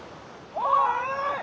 おい！